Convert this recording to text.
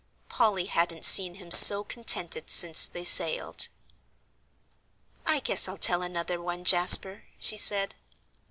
Polly hadn't seen him so contented since they sailed. "I guess I'll tell another one, Jasper," she said.